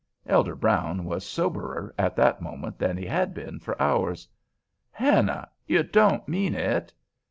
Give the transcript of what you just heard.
Elder Brown was soberer at that moment than he had been for hours. "Hannah, you don't mean it?"